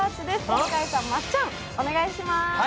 向井さん、まっちゃんお願いします。